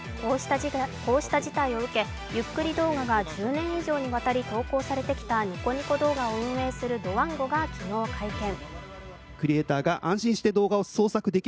こうした事態を受け、ゆっくり動画が１０年以上にわたり投稿されてきたニコニコ動画を運営するドワンゴが昨日、会見。